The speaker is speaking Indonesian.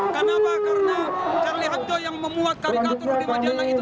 kenapa karena terlihatnya yang memuat karikatur di majalah itu